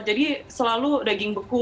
jadi selalu daging beku